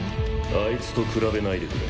あいつと比べないでくれ。